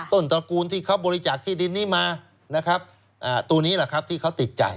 ต้นตระกูลที่เขาบริจาคที่ดินนี้มาตัวนี้ที่เขาติดใจ